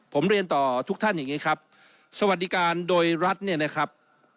ผมเรียนต่อทุกท่านอย่างนี้ครับสวัสดิการโดยรัฐเนี่ยนะครับ